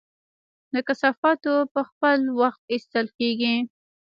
د کثافاتو په خپل وخت ایستل کیږي؟